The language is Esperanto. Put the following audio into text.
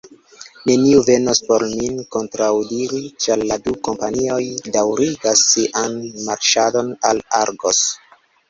Neniu venos por min kontraŭdiri, ĉar la du kompanioj daŭrigas sian marŝadon al Argos.